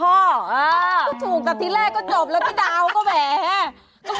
ก็ถูกแต่ทีแรกก็จบแล้วพี่ดาวก็แหม